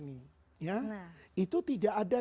itu tidak ada